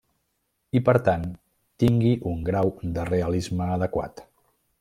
I per tant, tingui un grau de realisme adequat.